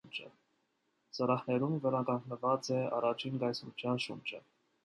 Սրահներում վերականգնված է առաջին կայսրության շունչը։